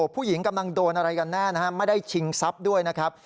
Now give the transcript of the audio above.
ผู้หญิงกำลังโดนอะไรกันแน่นะฮะไม่ได้ชิงทรัพย์ด้วยนะครับ